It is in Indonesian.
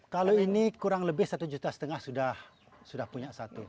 kalau ini kurang lebih satu juta setengah sudah punya satu